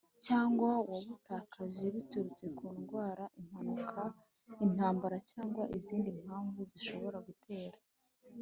Cyangwa wabutakaje biturutse ku ndwara impanuka intambara cyangwa izindi mpamvu zishobora gutera